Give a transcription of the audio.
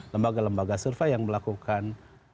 lembaga lembaga survei yang melakukan